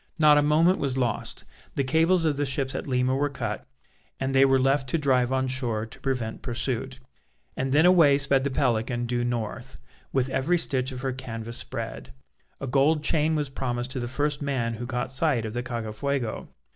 Not a moment was lost. The cables of the ships at Lima were cut, and they were left to drive on shore to prevent pursuit; and then away sped the Pelican due north, with every stitch of her canvas spread. A gold chain was promised to the first man who caught sight of the Cacafuego.